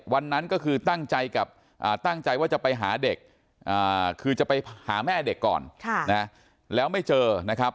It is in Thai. วันนั้นก็คือตั้งใจกับตั้งใจว่าจะไปหาเด็กคือจะไปหาแม่เด็กก่อนแล้วไม่เจอนะครับ